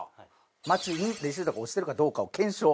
街にレシートが落ちてるかどうかを検証。